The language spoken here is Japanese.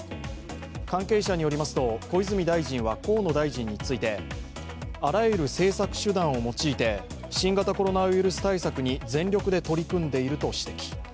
関係者によりますと小泉大臣は河野大臣について、あらゆる政策手段を用いて、新型コロナ対策に全力で取り組んでいると指摘。